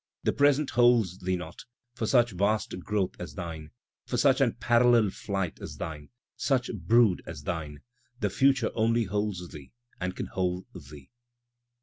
The present holds thee not — for such vast growth as thine^ For such unparallel'd flight as thine, such brood as thine^ The Future only holds thee and can hold thee.